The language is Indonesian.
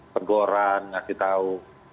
kegoraan ngasih tahu